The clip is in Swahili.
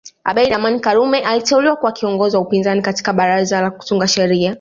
Abeid Amani Karume aliteuliwa kuwa kiongozi wa upinzani katika baraza la kutunga sheria